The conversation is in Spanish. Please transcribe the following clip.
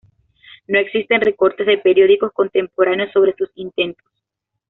No existen recortes de periódicos contemporáneos sobre sus intentos.